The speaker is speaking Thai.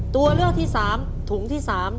ตัวเลือกที่สามถุงที่สาม